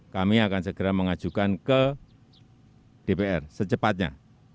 kami akan segera mengajukan ke dpr secepatnya